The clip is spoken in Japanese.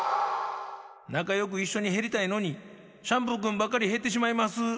「なかよくいっしょにへりたいのにシャンプーくんばっかりへってしまいます」やて。